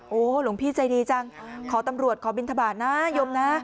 โอ้โหหลวงพี่ใจดีจังขอตำรวจขอบินทบาทนะยมนะ